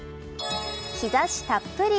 日差したっぷり。